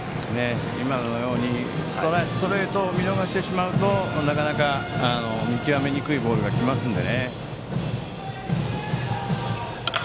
今のようにストレートを見逃してしまうとなかなか見極めにくいボールが来ますので。